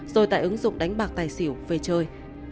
rồi tải ứng dụng đánh bạc tài xỉu về chơi